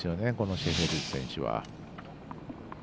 シェフェルス選手は。